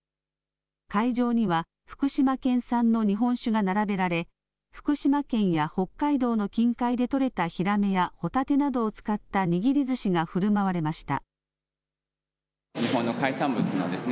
会場には福島県産の日本酒が並べられ、福島県や北海道の近海で取れたひらめやほたてなどを使った握りずしがふるまわれました。